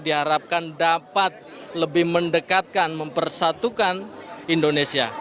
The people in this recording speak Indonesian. diharapkan dapat lebih mendekatkan mempersatukan indonesia